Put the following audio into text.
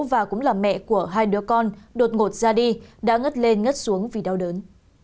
và cũng là mẹ của hai đứa con đột ngột ra đi đã ngất lên ngất xuống vì đau đớn